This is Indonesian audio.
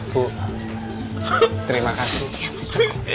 bu terima kasih